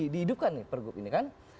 di hidupkan nih pergub ini kan